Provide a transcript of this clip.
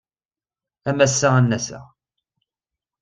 Am ass-a ad n-aseɣ.